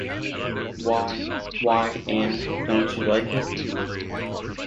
Why — why — Anne, don’t you like it?